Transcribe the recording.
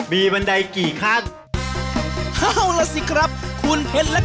มีบันไดกี่ขั้น